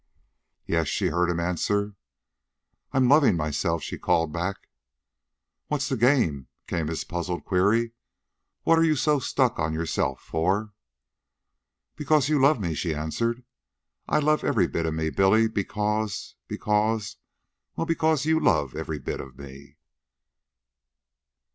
"Yes?" she heard him answer. "I'm loving myself," she called back. "What's the game?" came his puzzled query. "What are you so stuck on yourself for!" "Because you love me," she answered. "I love every bit of me, Billy, because... because... well, because you love every bit of me."